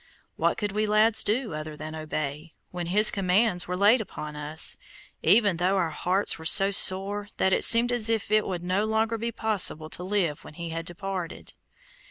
What could we lads do other than obey, when his commands were laid upon us, even though our hearts were so sore that it seemed as if it would no longer be possible to live when he had departed?